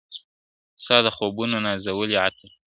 ستا د خوبونو نازولي عطر ..